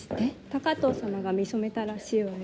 高藤様が見初めたらしいわよ。